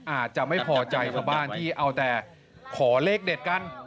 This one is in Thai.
อาจจะไม่พอใจชาวบ้านที่เอาแต่ขอเลขเด็ดกัน